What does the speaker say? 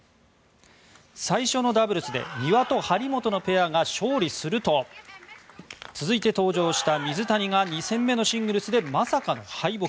最初のダブルスで丹羽と張本のペアが勝利すると続いて登場した水谷が２戦目のシングルスでまさかの敗北。